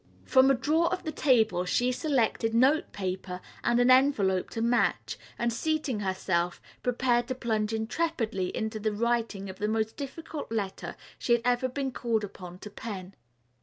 From a drawer of the table she selected note paper and an envelope to match and seating herself, prepared to plunge intrepidly into the writing of the most difficult letter she had ever been called upon to pen.